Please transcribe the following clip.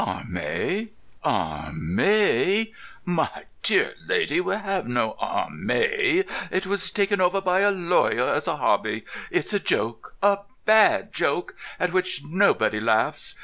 "Armay? Armay? My dear lady, we have no Armay! It was taken over by a lawyer as a hobby. It's a joke, a bad joke, at which nobody laughs.